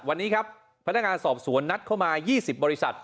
วันนี้ครับพนักงานสอบสวนนัดเข้ามา๒๐บริษัท